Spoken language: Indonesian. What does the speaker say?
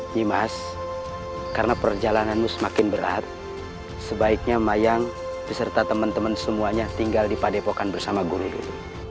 ini mas karena perjalananmu semakin berat sebaiknya mayang beserta teman teman semuanya tinggal di padepokan bersama guru itu